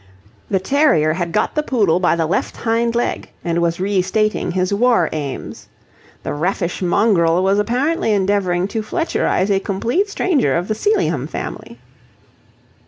The terrier had got the poodle by the left hind leg and was restating his war aims. The raffish mongrel was apparently endeavouring to fletcherize a complete stranger of the Sealyham family.